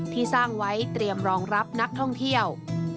ที่สร้างไว้เตรียมรองรับนักท่องเที่ยว